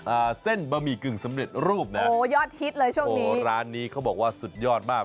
อ่าเส้นบะหมี่กึ่งสำเร็จรูปนะโอ้โหยอดฮิตเลยช่วงนี้ร้านนี้เขาบอกว่าสุดยอดมาก